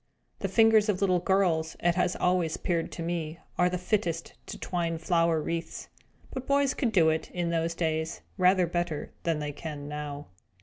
The fingers of little girls, it has always appeared to me, are the fittest to twine flower wreaths; but boys could do it, in those days, rather better than they can now.